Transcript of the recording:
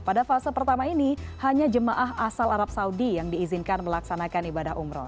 pada fase pertama ini hanya jemaah asal arab saudi yang diizinkan melaksanakan ibadah umroh